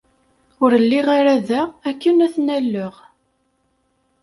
Ur lliɣ ara da akken ad ten-alleɣ.